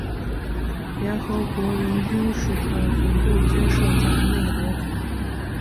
联合国人居署的总部皆设在内罗毕。